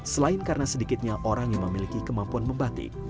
selain karena sedikitnya orang yang memiliki kemampuan membatik